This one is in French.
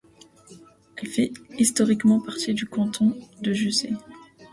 Elle fait historiquement partie du canton de Jussey.